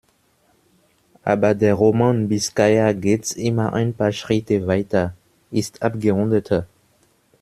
Aber der Roman "Biskaya" geht immer ein paar Schritte weiter, ist abgerundeter.